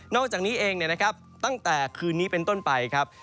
อกจากนี้เองตั้งแต่คืนนี้เป็นต้นไปครับ